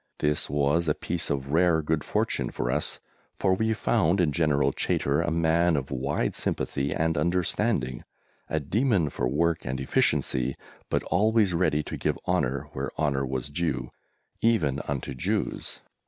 This was a piece of rare good fortune for us, for we found in General Chaytor a man of wide sympathy and understanding, a demon for work and efficiency, but always ready to give honour where honour was due even unto Jews.